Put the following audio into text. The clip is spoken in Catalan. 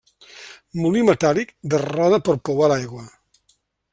Molí metàl·lic de roda per pouar l'aigua.